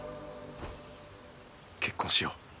結婚しよう。